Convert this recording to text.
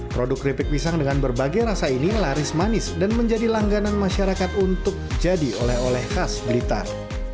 produk keripik pisang dengan berbagai rasa ini laris manis dan menjadi langganan masyarakat untuk jadi oleh oleh khas blitar